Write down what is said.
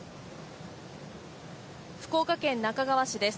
福岡県那珂川市です。